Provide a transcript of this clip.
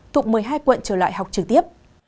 thuộc một mươi hai quận trở lại học trực tiếp